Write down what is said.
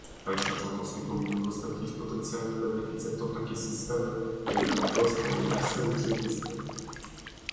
Państwa członkowskie powinny udostępnić potencjalnym beneficjentom takie systemy, które będą proste, jasne i przejrzyste